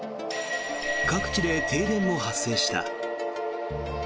各地で停電も発生した。